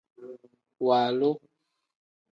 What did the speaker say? Waalu.